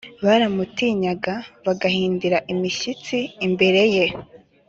Baramutinyaga bagahindira imishyitsi imbere ye